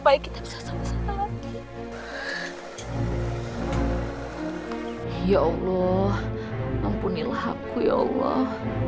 ya allah ampunilah aku ya allah